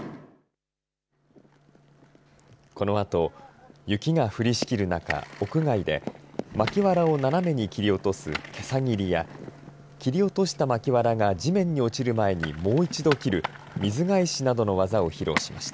このあと、雪が降りしきる中屋外で巻きわらを斜めに切り落とす、けさ斬りや切り落とした巻きわらが地面に落ちる前にもう一度切る水返しなどの技を披露しました。